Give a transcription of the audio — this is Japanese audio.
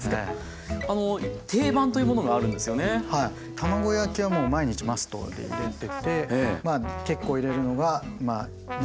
卵焼きはもう毎日マストで入れてて結構入れるのが肉。